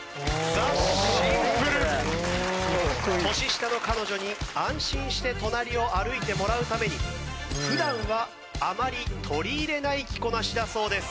年下の彼女に安心して隣を歩いてもらうために普段はあまり取り入れない着こなしだそうです。